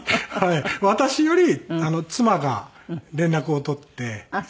私より妻が連絡を取っています。